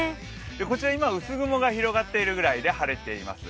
こちら今、薄雲が広がっているぐらいで晴れています。